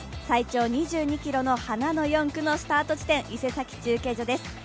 最長２２ｋｍの花の４区のスタート地点伊勢崎中継所です。